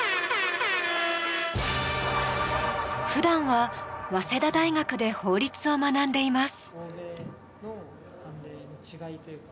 普段は早稲田大学で法律を学んでいます。